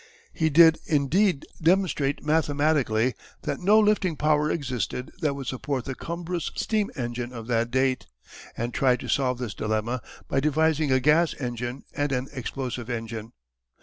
He did indeed demonstrate mathematically that no lifting power existed that would support the cumbrous steam engine of that date, and tried to solve this dilemma by devising a gas engine, and an explosive engine.